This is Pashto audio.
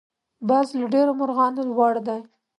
باز له ډېرو مرغانو لوړ دی